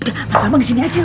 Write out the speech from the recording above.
udah mas bambang di sini aja